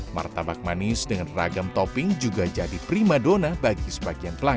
martabak manis dengan ragam topping juga jadi prima dona bagi sebagian pelanggan